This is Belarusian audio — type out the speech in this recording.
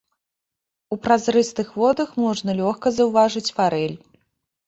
У празрыстых водах можна лёгка заўважыць фарэль.